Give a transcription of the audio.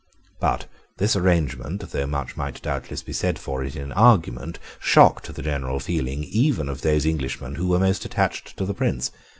But this arrangement, though much might doubtless be said for it in argument, shocked the general feeling even of those Englishmen who were most attached to the Prince.